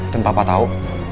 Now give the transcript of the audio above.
dan papa tahu